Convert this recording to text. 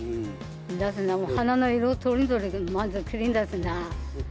花の色とりどりで、まずきれいだしな。